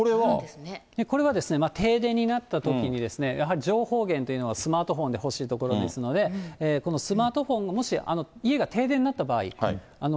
これは停電になったときに、やはり情報源というのはスマートフォンで欲しいところですので、このスマートフォン、もし家が停電になった場合。